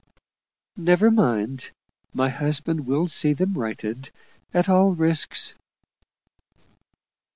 "Never mind; my husband will see them righted at all risks."